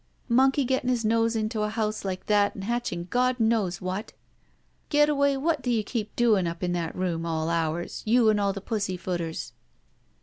Monkey getting his nose into a house like that and hatching God knows what! Getaway, what do you keep doing up in that room — all hours — ^you and aU the pussyfooters?"